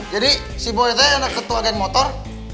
jadi si boy itu yang ada ketua agen motor